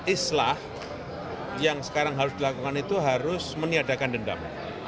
islah yang sekarang harus dilakukan itu harus meniadakan dendam